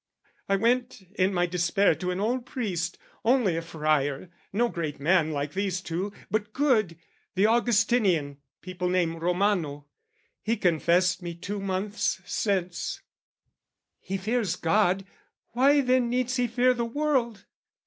"I went in my despair to an old priest, "Only a friar, no great man like these two, "But good, the Augustinian, people name "Romano, he confessed me two months since: "He fears God, why then needs he fear the world?